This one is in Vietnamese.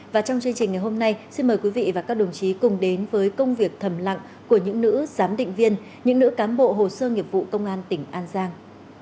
và trong chương trình ngày hôm nay xin mời quý vị và các đồng chí cùng đến với công việc thầm lặng của những nữ giám định viên những nữ cán bộ hồ sơ nghiệp vụ công an tỉnh an giang